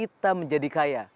kita menjadi kaya